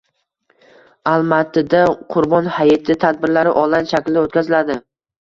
Almatida Qurbon hayiti tadbirlari onlayn shaklda o‘tkaziladi